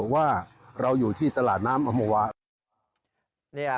แต่ว่าเราอยู่ที่ตลาดน้ำอำภาวะ